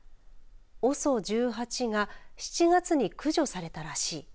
ＯＳＯ１８が７月に駆除されたらしい。